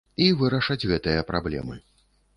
І вырашаць гэтыя праблемы.